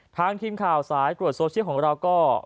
ทางทีมข่าวสายตรวจโซเชียลของเราก็